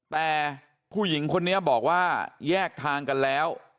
แต่ผู้หญิงคนนี้บอกว่าแยกทางกันแล้ว